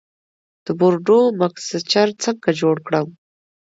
د بورډو مکسچر څنګه جوړ کړم؟